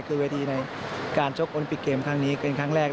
คือเวทีในการชกโอลิปิกเกมครั้งนี้เป็นครั้งแรก